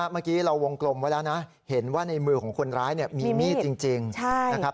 เมื่อกี้เราวงกลมไว้แล้วนะเห็นว่าในมือของคนร้ายเนี่ยมีมีดจริงนะครับ